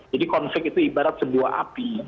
jadi konflik itu ibarat sebuah api